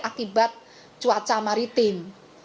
akibat cuaca maritim